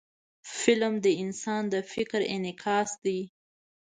فلم د انسان د فکر انعکاس دی